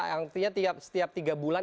yang setiap tiga bulan ini harus diperperan